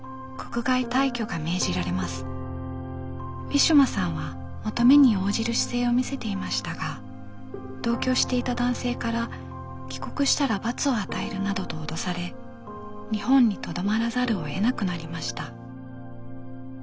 ウィシュマさんは求めに応じる姿勢を見せていましたが同居していた男性から「帰国したら罰を与える」などと脅され日本にとどまらざるをえなくなりました。